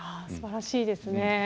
すばらしいですね。